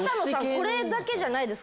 これだけじゃないです